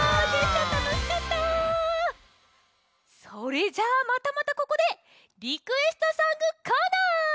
それじゃあまたまたここで「リクエストソングコーナー」！